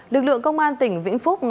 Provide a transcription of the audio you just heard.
lực lượng công an tỉnh vĩnh phúc